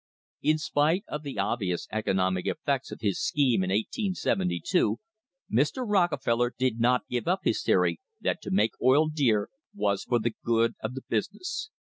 In spite of the obvious economic effects of his scheme in 1872 Mr. Rockefeller did not give up his theory that to make oil dear was for the good of the business.